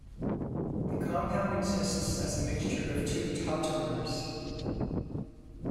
The compound exists as a mixture of two tautomers.